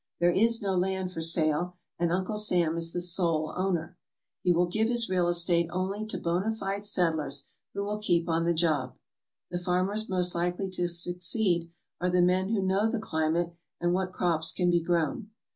There is no land for sale, and Uncle Sam is the sole owner. He will give his real estate only to bona fide settlers who will keep on the job. The farmers most likely to succeed are the men who know the climate and what crops can be grown.